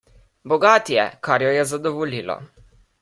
Bogat je, kar jo je zadovoljilo.